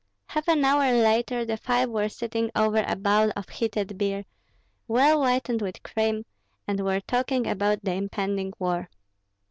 Half an hour later the five were sitting over a bowl of heated beer, well whitened with cream, and were talking about the impending war.